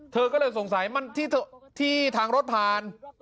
เธอก็เลยสงสัยมันที่ทางรถผ่าน